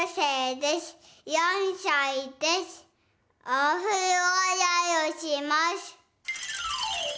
おふろあらいをします。